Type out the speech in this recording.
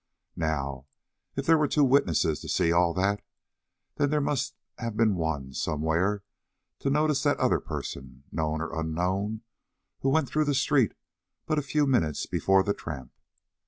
Now, if there were two witnesses to see all that, there must have been one somewhere to notice that other person, known or unknown, who went through the street but a few minutes before the tramp.